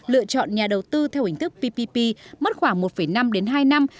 lựa chọn nhà đầu tư theo hình thức ppp mất khoảng một năm đến hai năm